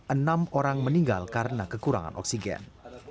enam orang meninggal karena kekurangan oksigen